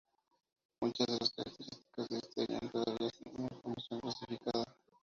Muchas de las características de este avión todavía son información clasificada.